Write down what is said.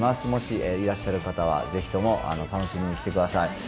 もしいらっしゃる方は、ぜひとも楽しみに来てください。